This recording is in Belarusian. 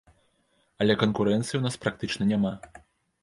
Але канкурэнцыі ў нас практычна няма.